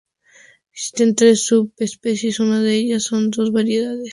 Existen tres subespecies, una de ellas con dos variedades.